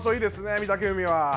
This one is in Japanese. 御嶽海は。